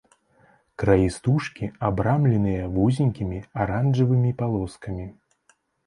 Краі стужкі абрамленыя вузенькімі аранжавымі палоскамі.